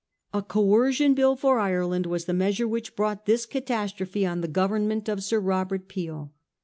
A Coercion Bill for Ireland was the measure wMch brought tMs catastrophe on the Government of Sir Robert Peel.